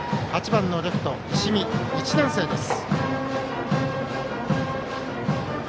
８番のレフト石見、１年生です。